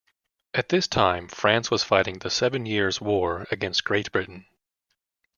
At this time France was fighting the Seven Years' War against Great Britain.